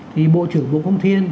thì bộ trưởng bộ công thiên